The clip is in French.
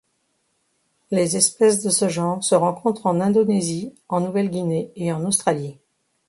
Les espèces de ce genre se rencontrent en Indonésie, en Nouvelle-Guinée et en Australie.